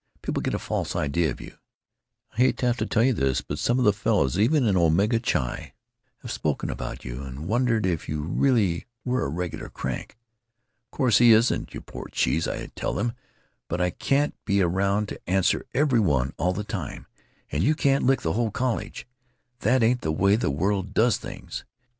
People get a false idea of you. I hate to have to tell you this, but several of the fellows, even in Omega Chi, have spoken about you, and wondered if you really were a regular crank. 'Of course he isn't, you poor cheese,' I tell 'em, but I can't be around to answer every one all the time, and you can't lick the whole college; that ain't the way the world does things.